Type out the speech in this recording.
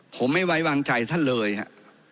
ผมไม่ไว้วางใจท่านเลยครับ